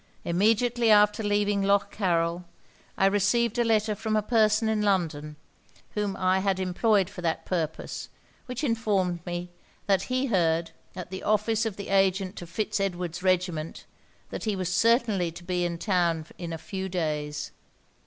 Immediately after leaving Lough Carryl, I received a letter from a person in London, whom I had employed for that purpose, which informed me that he heard, at the office of the agent to Fitz Edward's regiment, that he was certainly to be in town in a few days.